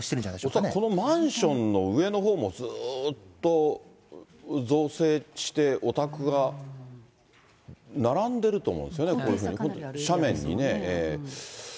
恐らくこのマンションの上のほうも、ずっと造成して、お宅が並んでると思うんですね、こういうふうに、斜面にね。